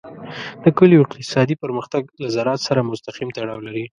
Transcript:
د کلیو اقتصادي پرمختګ له زراعت سره مستقیم تړاو لري.